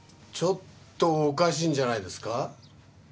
ちょっとおかしいんじゃないですか？